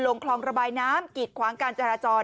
ลงคลองระบายน้ำกิดขวางการจราจร